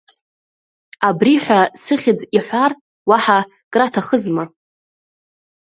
Абри ҳәа, сыхьӡ иҳәар, уаҳа краҭахызма?!